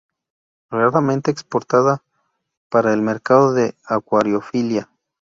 Raramente exportada para el mercado de acuariofilia.